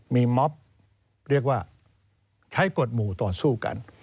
มีม็อบเรียกว่าใช้กฎหมู่ต่อสู้กัน